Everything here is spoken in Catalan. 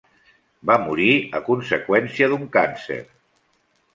Va morir a conseqüència d'un càncer.